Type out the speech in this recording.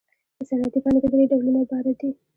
د صنعتي پانګې درې ډولونه عبارت دي